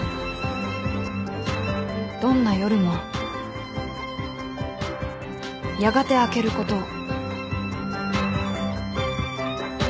［どんな夜もやがて明けることを］